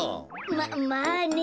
ままあね。